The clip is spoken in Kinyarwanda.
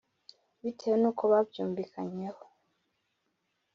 . Bitewe nuko ba byumvikanyweho